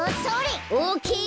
オーケー！